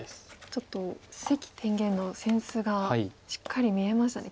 ちょっと関天元の扇子がしっかり見えましたね。